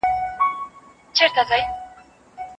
څنګه بدن د انرژۍ لپاره ګلایکوجن ساتي؟